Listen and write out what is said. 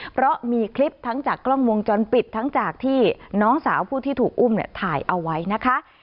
เพราะมีคลิปทั้งจากกล้องวงจรปิดทั้งจากที่น้องสาวผู้ที่ถูกอุ้มเนี่ยถ่ายเอาไว้นะคะ